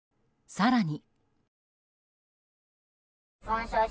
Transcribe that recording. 更に。